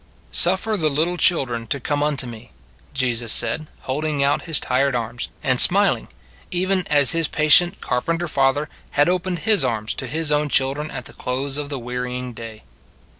" Suffer the little children to come unto me " Jesus said, holding out his tired arms, and smiling; even as His patient car penter father had opened his arms to his own children at the close of the wearying day.